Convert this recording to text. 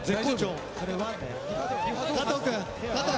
加藤君。